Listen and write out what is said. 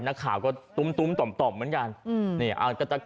นักข่าวก็ตุ้มต่อมเหมือนกัน